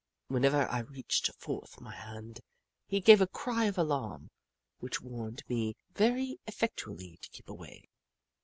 Whenever I reached forth my hand, he gave a cry of alarm which warned me very effectually to keep away.